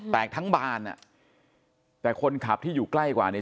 ทั้งบานอ่ะแต่คนขับที่อยู่ใกล้กว่าเนี่ย